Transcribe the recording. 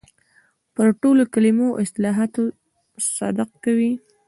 پر ټولو کلمو او اصطلاحاتو صدق کوي.